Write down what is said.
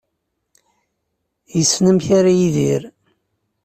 Yessen amek ara yidir.